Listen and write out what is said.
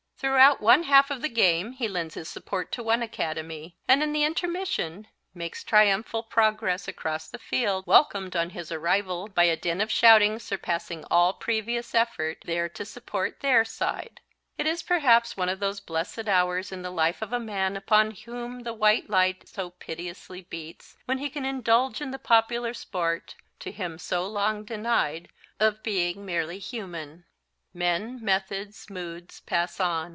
Throughout one half of the game he lends his support to one Academy and in the intermission makes triumphal progress across the field, welcomed on his arrival by a din of shouting surpassing all previous effort, there to support their side. [Illustration: CADETS AND MIDDIES ENTERING THE FIELD] It is perhaps one of those blessed hours in the life of a man upon whom the white light so pitilessly beats, when he can indulge in the popular sport, to him so long denied, of being merely human. Men, methods, moods pass on.